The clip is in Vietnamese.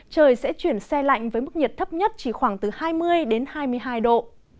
trời sẽ chuyển xe lạnh với mức nhiệt thấp nhất chỉ khoảng từ hai mươi đến hai mươi hai độ